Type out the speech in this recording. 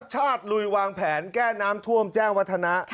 ชาติลุยวางแผนแก้น้ำท่วมแจ้งวัฒนะ